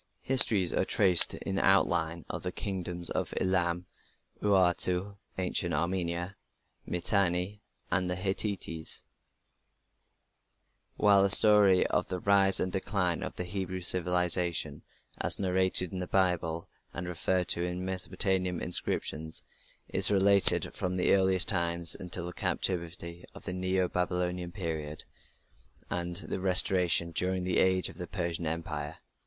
The histories are traced in outline of the Kingdoms of Elam, Urartu (Ancient Armenia), Mitanni, and the Hittites, while the story of the rise and decline of the Hebrew civilization, as narrated in the Bible and referred to in Mesopotamian inscriptions, is related from the earliest times until the captivity in the Neo Babylonian period and the restoration during the age of the Persian Empire.